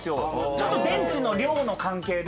ちょっと電池の量の関係で。